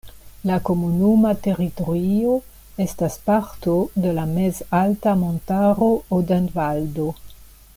La komunuma teritorio estas parto de la mezalta montaro Odenvaldo.